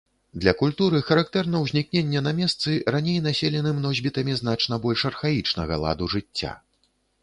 Для культуры характэрна ўзнікненне на месцы, раней населеным носьбітамі значна больш архаічнага ладу жыцця.